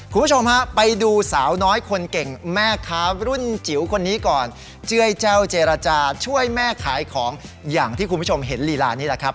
คุณผู้ชมฮะไปดูสาวน้อยคนเก่งแม่ค้ารุ่นจิ๋วคนนี้ก่อนเจื้อยแจ้วเจรจาช่วยแม่ขายของอย่างที่คุณผู้ชมเห็นลีลานี่แหละครับ